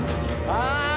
ああ！